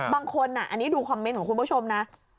บางคนอันนี้ดูคอมเมนต์ของคุณผู้ชมนะ